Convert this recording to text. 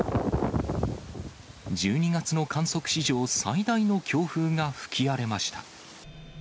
１２月の観測史上最大の強風が吹き荒れました。